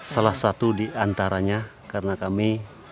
salah satu di antaranya karena kami